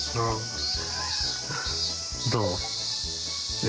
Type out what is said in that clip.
どう？